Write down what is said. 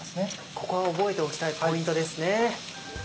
ここは覚えておきたいポイントですね。